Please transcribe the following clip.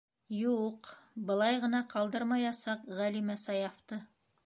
Ю-у-уҡ, былай ғына ҡалдырмаясаҡ Ғәлимә Саяфты.